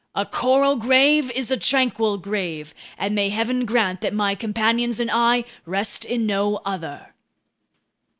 "A coral grave is a tranquil grave, and may Heaven grant that my companions and I rest in no other!"